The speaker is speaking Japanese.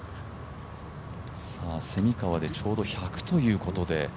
蝉川でちょうど１００ということで。